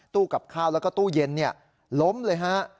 กับข้าวแล้วก็ตู้เย็นล้มเลยฮะ